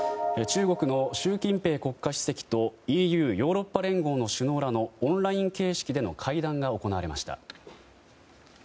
中国の習近平国家主席とＥＵ・ヨーロッパ連合の首脳らのオンライン形式での会談が行われました。